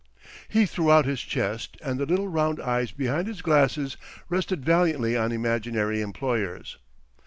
He threw out his chest, and the little round eyes behind his glasses rested valiantly on imaginary employers.